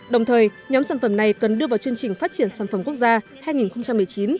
đồng thời nhóm sản phẩm này cần đưa vào chương trình phát triển sản phẩm quốc gia hai nghìn một mươi chín hai nghìn hai mươi năm